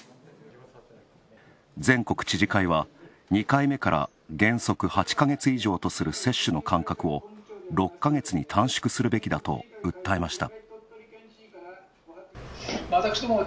全国知事会は、２回目から原則８か月以上とする接種の間隔を６か月に短縮するべきだと訴えました。